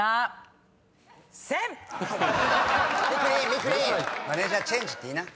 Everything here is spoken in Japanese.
みくりん「マネージャーチェンジ」って言いな。